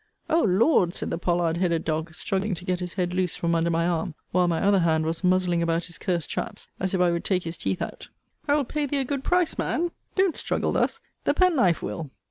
O Lord! said the pollard headed dog, struggling to get his head loose from under my arm, while my other hand was muzzling about his cursed chaps, as if I would take his teeth out. I will pay thee a good price, man: don't struggle thus? The penknife, Will.!